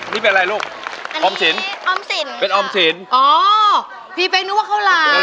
นี่เป็นอะไรลูกเป็นออมสินออมสินเป็นออมสินอ๋อพี่เป๊กนึกว่าข้าวหลาม